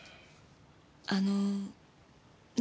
あの何か？